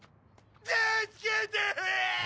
「助けて！」